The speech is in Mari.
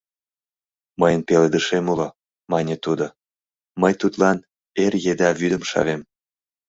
— Мыйын пеледышем уло, — мане тудо, — мый тудлан эр еда вӱдым шавем.